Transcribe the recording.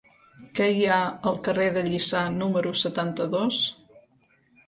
Què hi ha al carrer de Lliçà número setanta-dos?